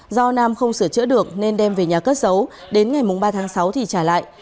do nam không sửa chữa được nên đem về nhà cất giấu đến ngày ba tháng sáu thì trả lại